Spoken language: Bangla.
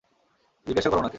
জিজ্ঞাসা কর ওনাকে।